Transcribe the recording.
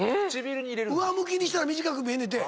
上向きにしたら短く見えんねんて。